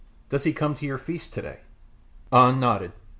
Does he come to your feasts today?" An nodded.